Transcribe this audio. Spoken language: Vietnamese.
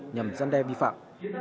nhằm giam đe vi phạm